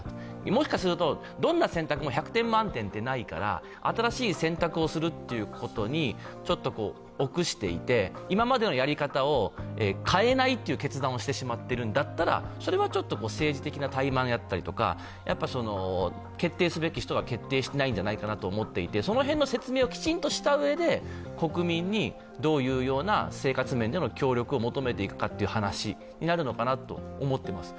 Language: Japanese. もしかすると、どんな選択も１００点万点ってないから新しい選択をすることにちょっと臆していて、今までのやり方を変えないっていう決断をしてしまっているんだったらそれはちょっと政治的な怠慢だったりとか決定すべき人が決定していないんじゃないかなと思っていて、その辺の説明をきちんとしたうえで国民にどういうような生活面での協力を求めていくかという話になるのかなと思っています。